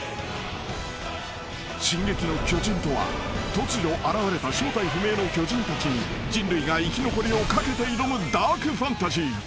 ［『進撃の巨人』とは突如現れた正体不明の巨人たちに人類が生き残りを懸けて挑むダークファンタジー］